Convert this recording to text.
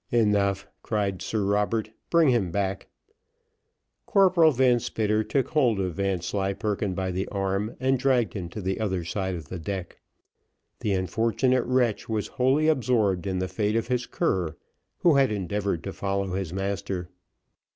"Enough," cried Sir Robert, "bring him back." Corporal Van Spitter took hold of Vanslyperken by the arm, and dragged him to the other side of the deck. The unfortunate wretch was wholly absorbed in the fate of his cur, who had endeavoured to follow his master.